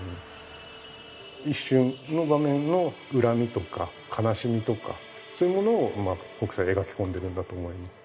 一瞬の場面の恨みとか悲しみとかそういうものをうまく北斎描き込んでるんだと思います。